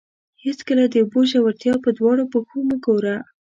هېڅکله د اوبو ژورتیا په دواړو پښو مه ګوره.